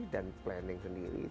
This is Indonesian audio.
dan planning sendiri